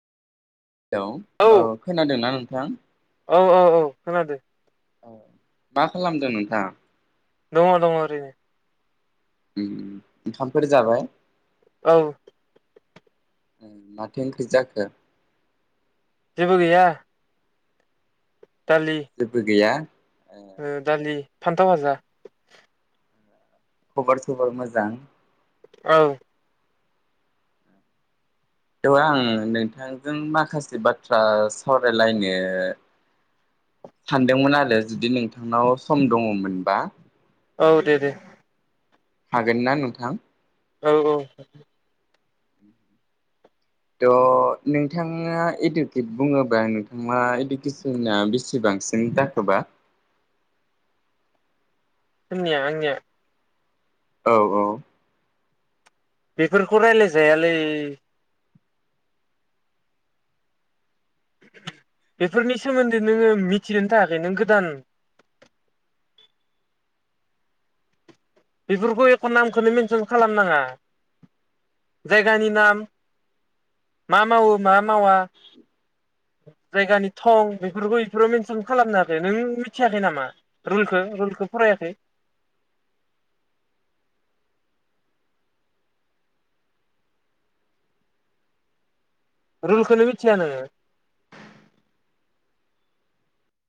Hello औ खोनादोंना नोंथां औ औ खोनादो औ। मा खालामदों नोंथां? दङ दङ ओरैनो। ओम ओंखामफोर जाबाय? औ। माथो ओंख्रि जाखो? जेबो गैया। दालि जेबो गैया? ए ओ दालि। फान्थाव हाजा। खबर सबर मोजां? औ। औ आं नोंथांजों माखासे बाथ्रा सावरायलायनो सानदोंमोन आरो जुदि नोंथांनाव सम दङमोनबा? औ दे दे। हागोन ना नोंथां? औ औ। थ' नोंथाङा इडुकेट बुङोबा नोंथाङा इडुकेसना बेसे बांसिन जाखोबा? खोनाला आंनिआ । औ औ । बेफोरखौ राय्लायजायालै । बेफोरनि सोमोन्दै नोङो मिथिनोनो थाखायाखै नों गोदान । बेफोरखौ एख' नामखौनो मेनसन खालामनाङा जायगानि नाम मा मावो मा मावा जायगानि थं बेफोरखौ बेफोराव मेनसन खालामनोखै नों मिथियाखै नामा रुलखौ रुलखौ फरायाखै । रुलखौनि मिथिया नोङो ।